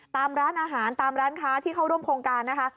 ตามร้านอาหารตามร้านค้าที่เข้าร่วมโครงการนะคะ